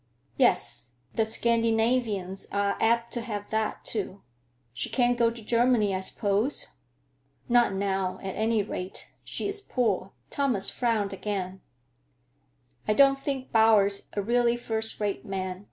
"Yes; the Scandinavians are apt to have that, too. She can't go to Germany, I suppose?" "Not now, at any rate. She is poor." Thomas frowned again "I don't think Bowers a really first rate man.